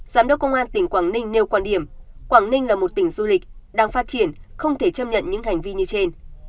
giám đốc công an tỉnh quảng ninh nêu quan điểm quảng ninh là một tỉnh du lịch đang phát triển không thể chấp nhận những hành vi như trên